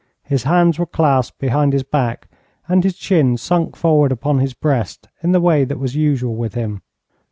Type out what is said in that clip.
His hands were clasped behind his back, and his chin sunk forward upon his breast, in the way that was usual with him.